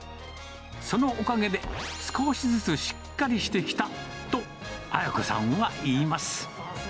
そのおかげで、少しずつしっかりしてきたと、文子さんは言います。